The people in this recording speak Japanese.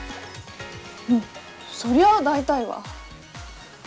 うんそりゃあ大体は。